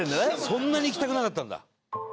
そんなに行きたくなかったんだ。